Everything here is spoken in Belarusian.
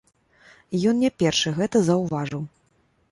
І ён не першы гэта заўважыў.